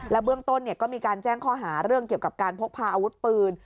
เบื้องต้นก็มีการแจ้งข้อหาเรื่องเกี่ยวกับการพกพาอาวุธปืน